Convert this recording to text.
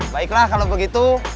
baiklah kalau begitu